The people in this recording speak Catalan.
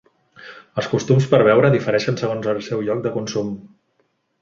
Els costums per beure difereixen segons el seu lloc de consum.